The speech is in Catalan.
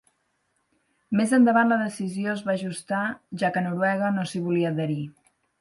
Més endavant, la decisió es va ajustar ja que Noruega no s'hi volia adherir.